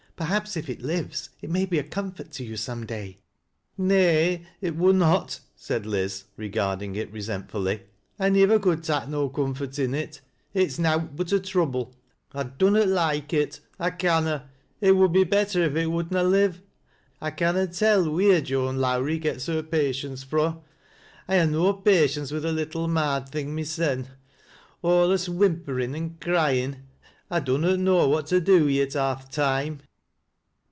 Perhaps if it lives, it may be a comfort to you some day." " Nay ! it wunnot ;" said Liz, regarding it resentfully '•'Iniwer could tak' no comfort in it. It's nowt but a tronble. I dunnot loike it. I canna. It would be hcttej AJSTTGE AT THE GOTTAQB. 61 if it would na live. I canna tell wheer Joan Lowrie gets her patience fro'. I ha' no patience with the little marred thing mysen — alius whimperin' an' cryin' ; I dunnot know what to do wi' it half th' toime."